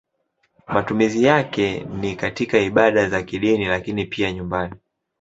Matumizi yake ni katika ibada za kidini lakini pia nyumbani.